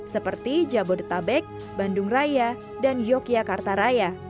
seperti jabodetabek bandung raya dan yogyakarta raya